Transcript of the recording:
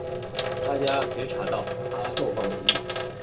大家察觉到她状况有异